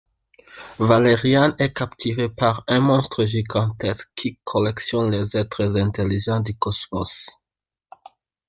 Valérian est capturé par un monstre gigantesque qui collectionne les êtres intelligents du cosmos.